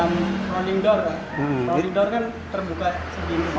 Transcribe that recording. running door kan terbuka